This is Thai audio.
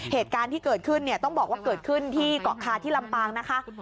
เหตุการณ์ที่เกิดขึ้นเนี่ยต้องบอกว่าเกิดขึ้นที่เกาะคาที่ลำปางนะคะ